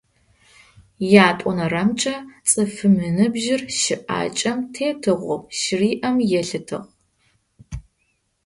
Ятӏонэрэмкӏэ, цӏыфым ыныбжьыр щыӏакӏэм тетыгъоу щыриӏэм елъытыгъ.